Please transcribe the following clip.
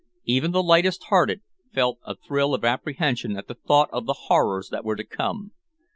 Even the lightest hearted felt a thrill of apprehension at the thought of the horrors that were to come.